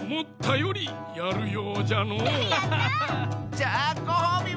じゃあごほうびは？